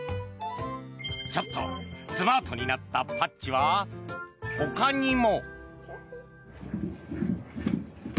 ちょっとスマートになったパッチはほかにも。